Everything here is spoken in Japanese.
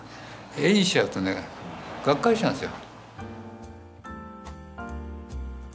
絵にしちゃうとねがっかりしちゃうんですよ。